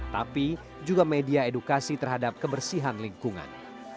tapi juga media edukasi terhadap kebersihan lingkungan